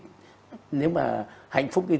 thế thì tóm lại trong trường hợp của